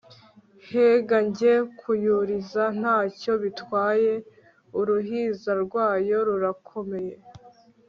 henga njye kuyuriza, ntacyo bitwaye uruhiza rwayo rurakomeye